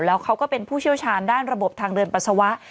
แล้วเขาก็เป็นผู้เชี่ยวชาญด้านระบบทางเดินปัสสาวะ